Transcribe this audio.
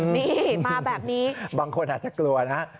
นี่มาแบบนี้บางคนอาจจะกลัวนะ